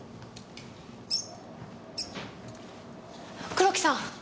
黒木さん！